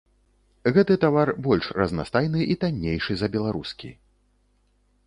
Гэты тавар больш разнастайны і таннейшы за беларускі.